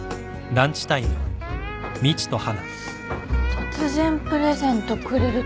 突然プレゼントくれるときか。